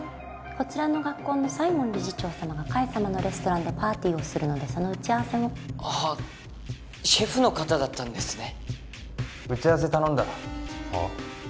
こちらの学校の西門理事長様が海様のレストランでパーティーをするのでその打ち合わせをあっシェフの方だったんですね打ち合わせ頼んだはっ？